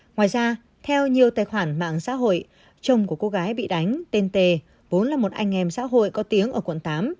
ngoài ra theo nhiều tài khoản mạng xã hội chồng của cô gái bị đánh tên tề vốn là một anh em xã hội có tiếng ở quận tám